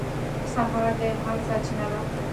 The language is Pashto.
سهار د الهام سرچینه ده.